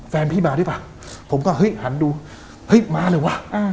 แฟนพี่มาได้ป่ะผมก็เอ้ยหันดูเอ้ยมาเลยวะอ่า